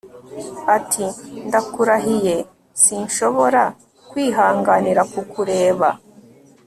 Ati Ndakurahiye sinshobora kwihanganira kukureba